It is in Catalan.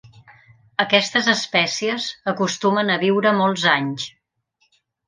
Aquestes espècies acostumen a viure molts anys.